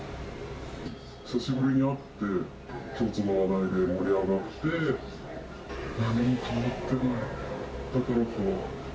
久しぶりに会って、共通の話題で盛り上がって、何も変わってない、だから怖い。